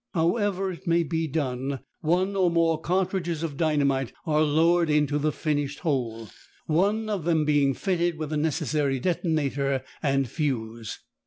However it may be done, one or more cartridges of dynamite are lowered into the finished hole, one of them being fitted with the necessary detonator and fuse.